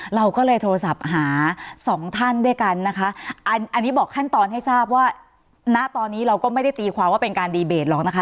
เราก็เลยโทรศัพท์หาสองท่านด้วยกันนะคะอันนี้บอกขั้นตอนให้ทราบว่าณตอนนี้เราก็ไม่ได้ตีความว่าเป็นการดีเบตหรอกนะคะ